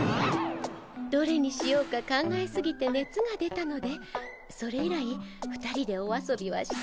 どれにしようか考えすぎてねつが出たのでそれ以来２人でお遊びはしていませんわ。